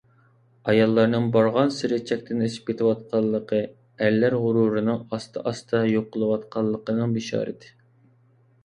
ئاياللارنىڭ بارغانسېرى چەكتىن ئېشىپ كېتىۋاتقانلىقى ئەرلەر غۇرۇرىنىڭ ئاستا-ئاستا يوقىلىۋاتقانلىقىنىڭ بېشارىتى.